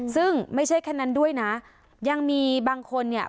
ซึ่งไม่ใช่แค่นั้นด้วยนะยังมีบางคนเนี่ย